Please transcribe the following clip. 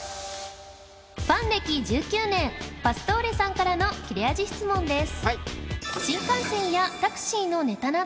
ファン歴１９年パストーレさんからの切れ味質問です